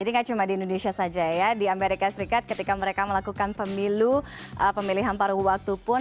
jadi nggak cuma di indonesia saja ya di amerika serikat ketika mereka melakukan pemilu pemilihan paruh waktu pun